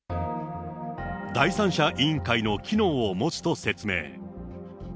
第三者委員会の機能を持つと説明。